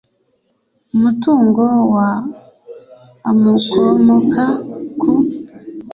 umutungo wa awmukomoka ku